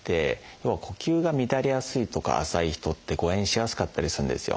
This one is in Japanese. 要は呼吸が乱れやすいとか浅い人って誤えんしやすかったりするんですよ。